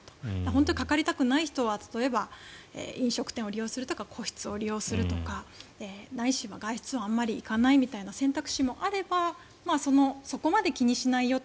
本当にかかりたくない人は例えば飲食店を利用する時は個室を利用するとかないしは外出をあまり行かないみたいな選択肢もあればそこまで気にしないよ